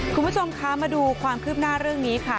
คุณผู้ชมคะมาดูความคืบหน้าเรื่องนี้ค่ะ